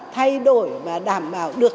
thay đổi và đảm bảo được